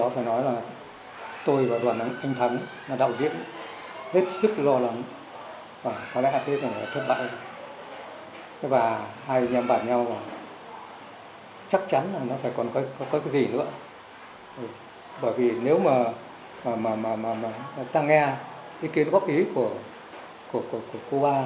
bởi vì nếu mà ta nghe ý kiến góp ý của cô ba